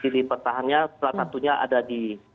salah satunya ada di